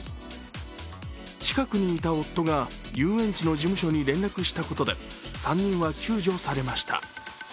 近くにいた夫が、遊園地の事務所に連絡したことで３人は救助されました。